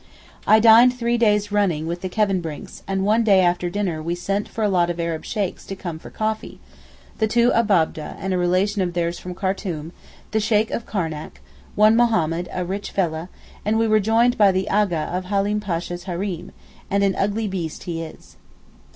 I dined three days running with the Kevenbrincks and one day after dinner we sent for a lot of Arab Sheykhs to come for coffee—the two Abab'deh and a relation of theirs from Khartoum, the Sheykh of Karnac, one Mohammed a rich fellah, and we were joined by the A'gha of Halim Pasha's Hareem, and an ugly beast he is.